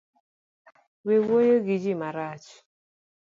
We wuoyo gi ji marach